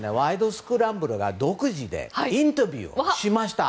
スクランブル」が独自でインタビューをしました。